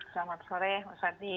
selamat sore mas hadi